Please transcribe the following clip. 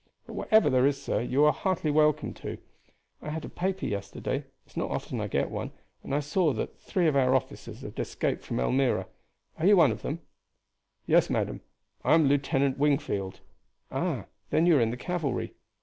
But whatever there is, sir, you are heartily welcome to. I had a paper yesterday it is not often I get one and I saw there that three of our officers had escaped from Elmira. Are you one of them?" "Yes, madam. I am Lieutenant Wingfield." "Ah! then you are in the cavalry.